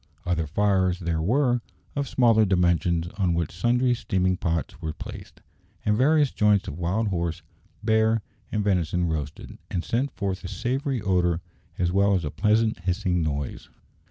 Other fires there were, of smaller dimensions, on which sundry steaming pots were placed, and various joints of wild horse, bear, and venison roasted, and sent forth a savoury odour as well as a pleasant hissing noise.